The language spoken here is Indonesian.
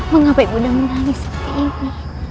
mengapa ibu udah menangis seperti ini